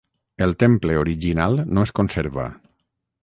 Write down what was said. El temple original no es conserva.